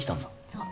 そう。